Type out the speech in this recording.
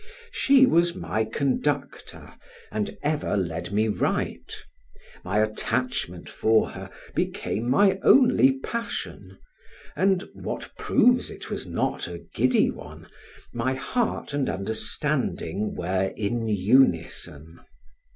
She was my conductor, and ever led me right; my attachment for her became my only passion, and what proves it was not a giddy one, my heart and understanding were in unison.